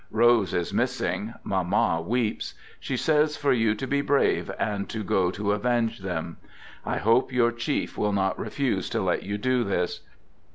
Rose is missing. Mamma weeps. She says for you to be brave and go to avenge them. I hope your chief will not refuse to let you do this.